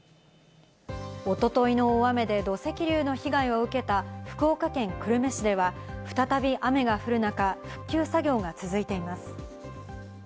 おとといの大雨で土石流の被害を受けた福岡県久留米市では、再び雨が降る中、復旧作業が続いています。